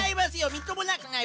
みっともなくない！